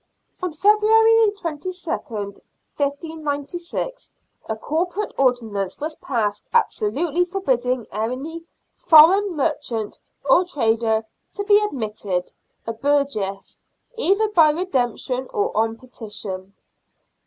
On February 22nd, 1596, a corporate ordinance was passed absolutely forbidding any " foreign " merchant or trader to be admitted a burgess, either by redemption or on petition.